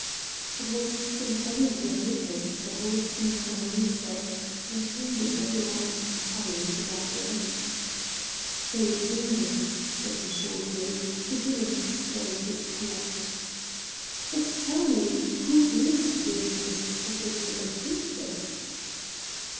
It was Sempaly, who had witnessed the whole scene from a recess, and whom the general had entirely forgotten. "So it seems," said he shortly, beginning to scrape his palette. "But tell me who is this despotic little princess?"